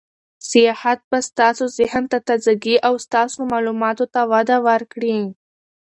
سیاحت به ستاسو ذهن ته تازه ګي او ستاسو معلوماتو ته وده ورکړي.